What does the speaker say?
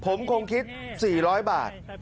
ผมคงคิด๔๐๐บาท